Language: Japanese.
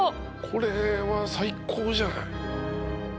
これは最高じゃない？